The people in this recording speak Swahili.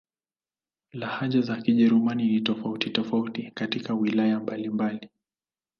Lahaja za Kijerumani ni tofauti-tofauti katika wilaya mbalimbali.